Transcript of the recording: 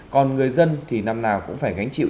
còn người dân thì năm nào cũng phải gánh chịu